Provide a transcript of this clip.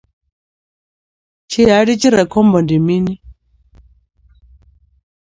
Tshihali tshi re khombo ndi mini?